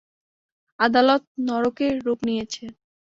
আদালত নরকে রুপ নিয়েছে।